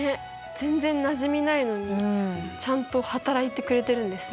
全然なじみないのにちゃんと働いてくれてるんですね。